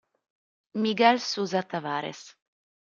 Miguel Sousa Tavares